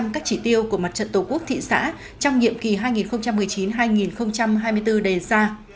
các chỉ tiêu của mặt trận tổ quốc thị xã trong nhiệm kỳ hai nghìn một mươi chín hai nghìn hai mươi bốn đề ra